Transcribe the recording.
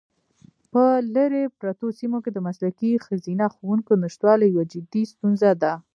په لیرې پرتو سیمو کې د مسلکي ښځینه ښوونکو نشتوالی یوه جدي ستونزه ده.